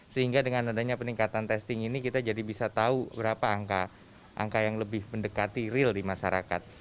sehingga dengan adanya peningkatan testing ini kita jadi bisa tahu berapa angka yang lebih mendekati real di masyarakat